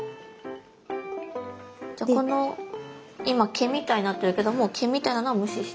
じゃこの今毛みたいになってるけどもう毛みたいなのは無視して。